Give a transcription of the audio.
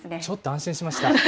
ちょっと安心しました。